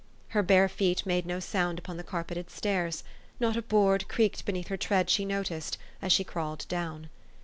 Her bare feet made no sound upon the carpeted stairs : not a board creaked beneath her tread she noticed, as she crawled down.